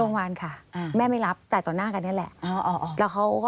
โรงพยาบาลค่ะแม่ไม่รับจ่ายต่อหน้ากันนี้แหละ